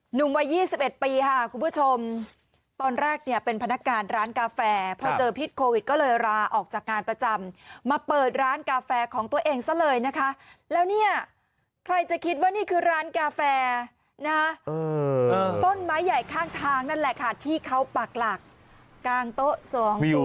หนุ่มวัย๒๑ปีค่ะคุณผู้ชมตอนแรกเนี่ยเป็นพนักงานร้านกาแฟพอเจอพิษโควิดก็เลยลาออกจากงานประจำมาเปิดร้านกาแฟของตัวเองซะเลยนะคะแล้วเนี่ยใครจะคิดว่านี่คือร้านกาแฟนะต้นไม้ใหญ่ข้างทางนั่นแหละค่ะที่เขาปากหลักกลางโต๊ะสองอยู่